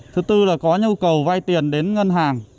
thứ tư là có nhu cầu vay tiền đến ngân hàng